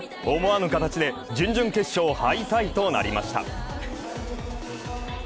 思わぬ形で準々決勝敗退となりました。